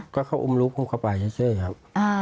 ก็เขาอุ้มลูกผมเข้าไปเฉยครับ